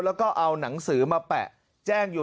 แล้วก็เอาหนังสือมาแปะแจ้งอยู่